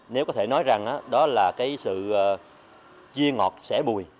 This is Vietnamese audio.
nếu có thể nói rằng đó là sự chia ngọt sẻ bùi